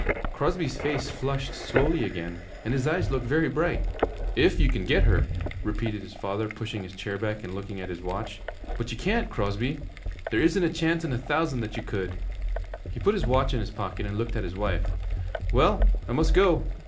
Crosby's face flushed slowly again, and his eyes looked very bright. 'If you can get her,' repeated his father, pushing his chair back and looking at his watch; 'but you can't, Crosby. There isn't a chance in a thousand that you could.' He put his watch in his pocket and looked at his wife. 'Well, I must go.